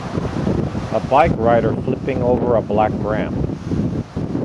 A bike rider flipping over a black ramp.